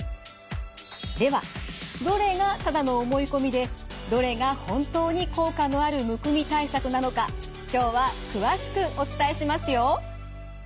ではどれがただの思い込みでどれが本当に効果のあるむくみ対策なのか今日は詳しくお伝えしますよ。